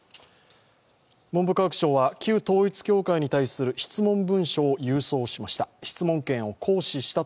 文部科学省は旧統一教会に対する質問文書を郵送しました。